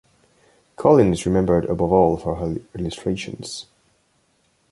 Collin is remembered above all for her illustrations.